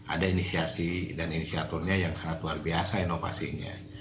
ada inisiasi dan inisiaturnya yang sangat luar biasa inovasinya